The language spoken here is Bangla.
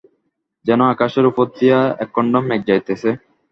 যেন আকাশের উপর দিয়া একখণ্ড মেঘ যাইতেছে।